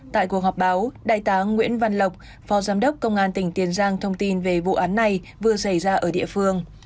tại cuộc họp báo đại tá nguyễn văn lộc phó giám đốc công an tỉnh tiền giang thông tin về vụ án này vừa xảy ra ở địa phương